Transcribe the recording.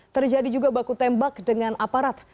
terjadi juga baku tembak dengan aparat